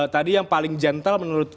tadi yang paling gentle menurut